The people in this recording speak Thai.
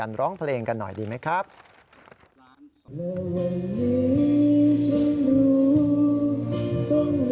นายยกรัฐมนตรีพบกับทัพนักกีฬาที่กลับมาจากโอลิมปิก๒๐๑๖